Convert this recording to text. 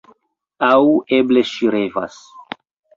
Aŭ eble ŝi revas.